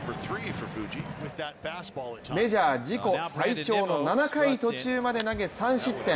メジャー自己最長の７回途中まで投げ、３失点。